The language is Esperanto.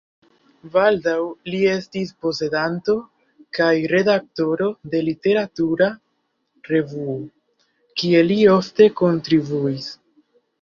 Baldaŭ li estis posedanto kaj redaktoro de literatura revuo, kie li ofte kontribuis.